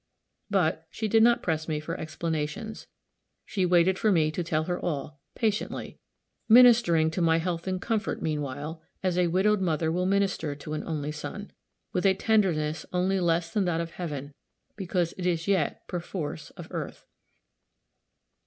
But, she did not press me for explanations. She waited for me to tell her all, patiently; ministering to my health and comfort, meanwhile, as a widowed mother will minister to an only son with a tenderness only less than that of heaven, because it is yet, perforce, of earth.